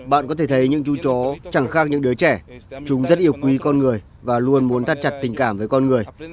bạn có thể thấy những chú chó chẳng khác những đứa trẻ chúng rất yêu quý con người và luôn muốn thắt chặt tình cảm với con người